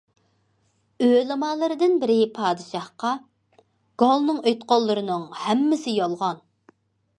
ئۆلىمالىرىدىن بىرى پادىشاھقا:- گالنىڭ ئېيتقانلىرىنىڭ ھەممىسى يالغان.